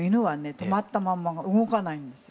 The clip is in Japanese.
止まったまんま動かないんですよ。